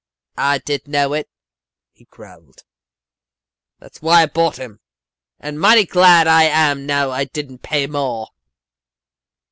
"'I did know it,' he growled. 'That's why I bought him. And mighty glad I am now I didn't pay more.